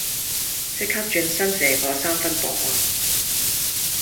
即刻轉身射個三分波呀